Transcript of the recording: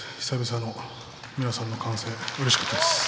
久々の皆さんの歓声うれしかったです。